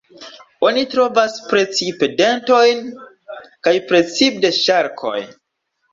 Oni trovas precipe dentojn, kaj precipe de ŝarkoj.